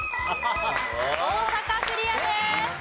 大阪クリアです。